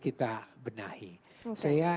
kita benahi saya